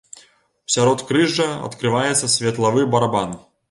У сяродкрыжжа адкрываецца светлавы барабан.